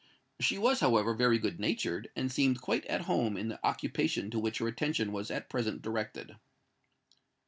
She was, however, very good natured, and seemed quite at home in the occupation to which her attention was at present directed.